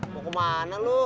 mau kemana lu